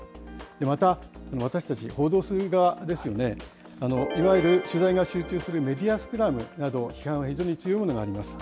また、私たち、報道する側ですよね、いわゆる取材が集中するメディアスクラムなど、取材に強いものがあります。